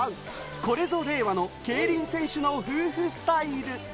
これぞ令和の競輪選手の夫婦スタイル。